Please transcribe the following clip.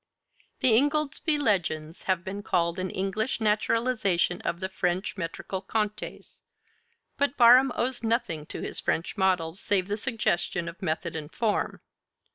The 'Ingoldsby Legends' have been called an English naturalization of the French metrical contes; but Barham owes nothing to his French models save the suggestion of method and form.